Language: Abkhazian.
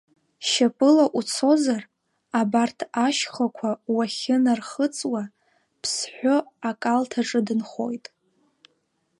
Шьапыла уцозар, абарҭ ашьхақәа уахьынархыҵуа, Ԥсҳәы акалҭ аҿы дынхоит.